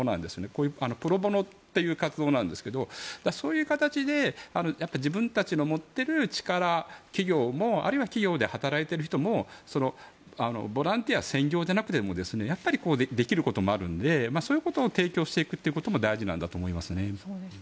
こういうプロボノという活動なんですがそういう形で自分たちの持っている力企業もあるいは企業で働いている人もボランティア専業でなくてもやっぱりできることもあるのでそういうことを提供していくことも大事なんだと思いますね。